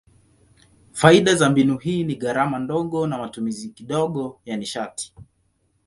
Faida za mbinu hii ni gharama ndogo na matumizi kidogo ya nishati.